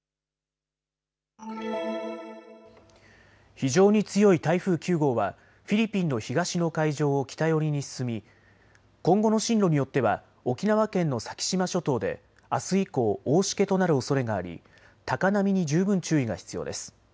非常に強い台風９号はフィリピンの東の海上を北寄りに進み今後の進路によっては沖縄県の先島諸島であす以降、大しけとなるおそれがあり高波に十分注意が必要です。